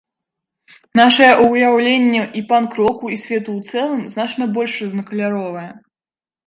Нашае ўяўленне і панк-року, і свету ў цэлым, значна больш рознакаляровае.